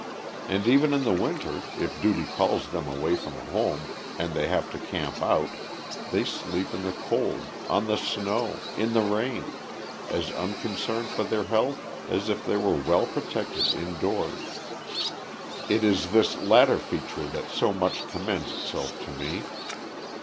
And even in the winter, if duty calls them away from home and they have to camp out, they sleep in the cold, on the snow, in the rain, as unconcerned for their health as if they were well protected indoors. It is this latter feature that so much commends itself to me.